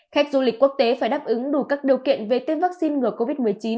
khách du lịch quốc tế phải đáp ứng đủ các điều kiện về tiêm vaccine ngừa covid một mươi chín